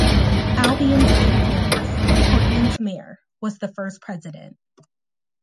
Albion K. Parris, Portland's mayor, was the first President.